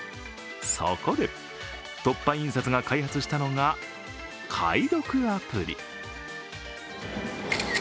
そこで、凸版印刷が開発したのが解読アプリ。